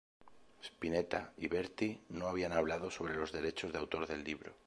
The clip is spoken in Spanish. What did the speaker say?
Spinetta y Berti no habían hablado sobre los derechos de autor del libro.